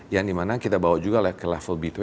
yang dimana kita bawa juga ke level b dua